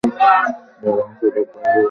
নিজের বংশ লোপ পাইলেও তাঁহার ভাইয়ের বংশাবলী ছিল।